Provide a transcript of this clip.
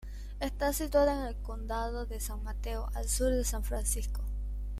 Está situada en el condado de San Mateo, al sur de San Francisco.